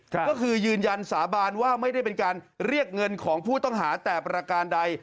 ก็คือยืนยันสาบานว่าไม่ได้เป็นการเรียกเงินของผู้ต้องหาแต่ประการใด